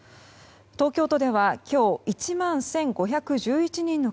東京都では今日１万１５１１人の